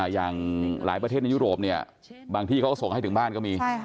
อย่างหลายประเทศในยุโรปเนี่ยบางที่เขาก็ส่งให้ถึงบ้านก็มี